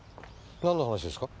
何の話ですか？